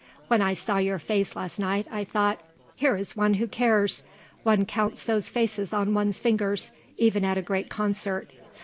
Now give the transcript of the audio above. When I saw your face last night I thought: Here is one who cares. One counts those faces on one's fingers even at a great concert.